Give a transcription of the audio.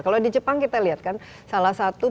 kalau di jepang kita lihat kan salah satu